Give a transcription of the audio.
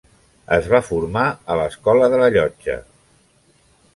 Es va formar a l'Escola de Llotja.